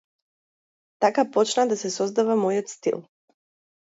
Така почна да се создава мојот стил.